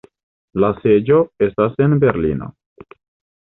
La seĝo estas en Berlino.